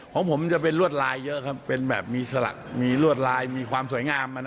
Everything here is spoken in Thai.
ของผมจะเป็นลวดลายเยอะครับเป็นแบบมีสลักมีรวดลายมีความสวยงาม